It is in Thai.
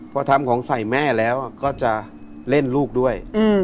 พอทำของใส่แม่แล้วก็จะเล่นลูกด้วย